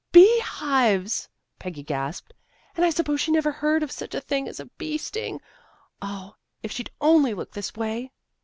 " Bee hives! " Peggy gasped. " And I sup pose she never heard of such a thing as a bee sting. O, if she'd only look this way!